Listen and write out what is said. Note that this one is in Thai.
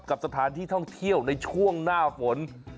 กับสถานที่ท่องเที่ยวในช่วงหน้าฝน